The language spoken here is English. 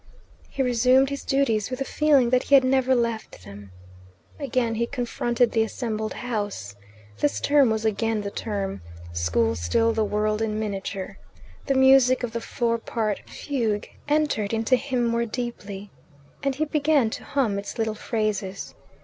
He resumed his duties with a feeling that he had never left them. Again he confronted the assembled house. This term was again the term; school still the world in miniature. The music of the four part fugue entered into him more deeply, and he began to hum its little phrases.